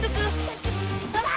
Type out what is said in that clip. jalan duluan sih